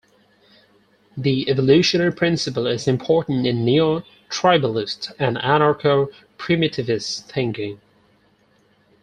The Evolutionary Principle is important in neo-tribalist and anarcho-primitivist thinking.